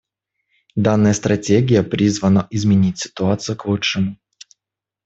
Данная стратегия призвана изменить ситуацию к лучшему.